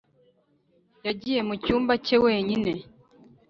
yagiye mucyumba cye wenyine.